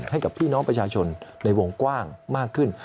ให้กับพี่น้องประชาชนในวงกว้างมากขึ้น